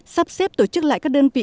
sắp xếp tổ chức lại các đơn vị